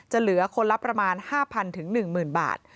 เหลือคนละประมาณ๕๐๐๑๐๐บาท